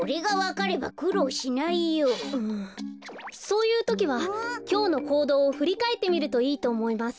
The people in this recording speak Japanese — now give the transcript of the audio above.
そういうときはきょうのこうどうをふりかえってみるといいとおもいます。